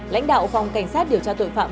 lãnh đạo phòng cảnh sát điều tra tội phạm